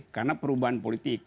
karena perubahan politik